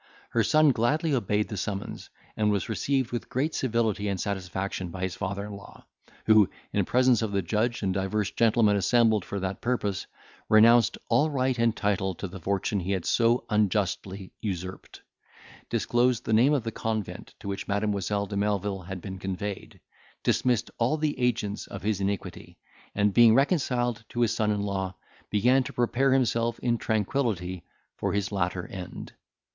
Her son gladly obeyed the summons, and was received with great civility and satisfaction by his father in law, who, in presence of the judge and divers gentlemen assembled for that purpose, renounced all right and title to the fortune he had so unjustly usurped; disclosed the name of the convent to which Mademoiselle de Melvil had been conveyed, dismissed all the agents of his iniquity, and being reconciled to his son in law, began to prepare himself in tranquillity for his latter end.